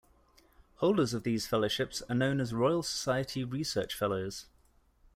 Holders of these fellowships are known as Royal Society Research Fellows.